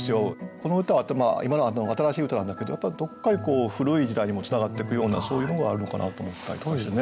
この歌は今の新しい歌なんだけどやっぱどっかに古い時代にもつながっていくようなそういうのがあるのかなと思ったりとかですね。